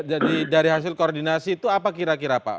jadi dari hasil koordinasi itu apa kira kira pak